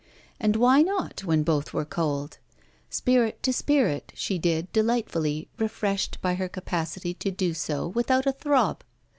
And why not when both were cold? Spirit to spirit, she did, delightfully refreshed by her capacity to do so without a throb.